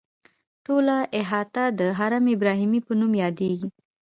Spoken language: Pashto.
ټوله احاطه د حرم ابراهیمي په نوم یادیږي.